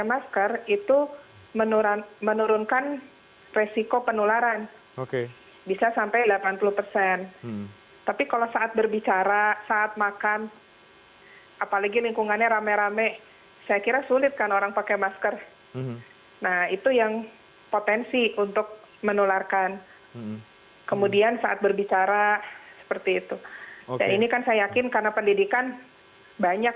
ngariung istilahnya begitu ya